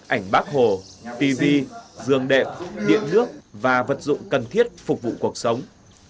ảnh bác hồ tivi giường đẹp điện nước và vật dụng cần thiết phục vụ cuộc sống